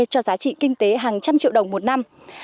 cho giá trị kinh tế hàng trăm triệu đồng một năm